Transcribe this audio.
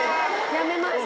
やめました。